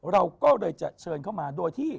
เราก็เลยจะเชิญเข้ามาโดยที่